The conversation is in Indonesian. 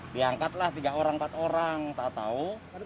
diangkat lah tiga orang empat orang tak tahu